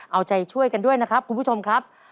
เอาใจช่วยกันด้วยนะครับคุณผู้ชมครับ